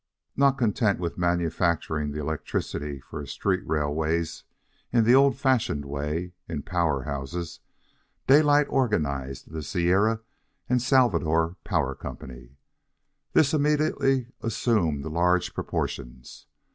Not content with manufacturing the electricity for his street railways in the old fashioned way, in power houses, Daylight organized the Sierra and Salvador Power Company. This immediately assumed large proportions.